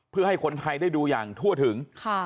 เพื่อให้คนไทยได้ดูอย่างทั่วถึง